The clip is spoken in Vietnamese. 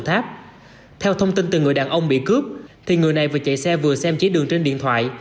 theo thông tin từ người đàn ông bị cướp người này chạy xe vừa xem chế đường trên điện thoại